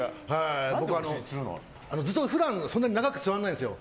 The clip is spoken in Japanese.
普段そんなに長く座らないんですよ。